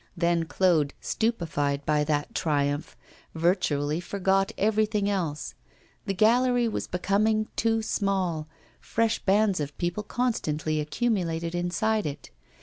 Then Claude, stupefied by that triumph, virtually forgot everything else. The gallery was becoming too small, fresh bands of people constantly accumulated inside it.